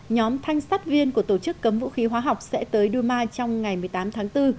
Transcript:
nhóm thanh sát viên của tổ chức cấm vũ khí hóa học sẽ tới duma trong ngày một mươi tám tháng bốn